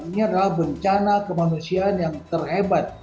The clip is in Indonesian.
ini adalah bencana kemanusiaan yang terhebat